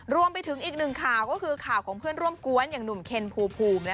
รวมไปถึงอีกหนึ่งข่าวก็คือข่าวของเพื่อนร่วมกวนอย่างหนุ่มเคนภูมิ